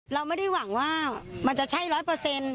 เราไม่ได้หวังว่ามันจะใช่ร้อยเปอร์เซ็นต์